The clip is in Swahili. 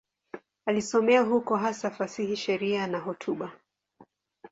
Alisomea huko, hasa fasihi, sheria na hotuba.